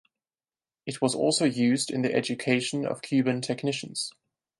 It was also used in the education of Cuban technicians.